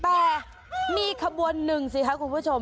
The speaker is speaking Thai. แต่มีขบวนหนึ่งสิคะคุณผู้ชม